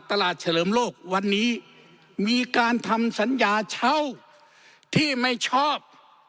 เฉลิมโลกวันนี้มีการทำสัญญาเช่าที่ไม่ชอบ